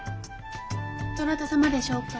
「どなた様でしょうか」。